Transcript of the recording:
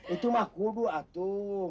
itu mah kudu atu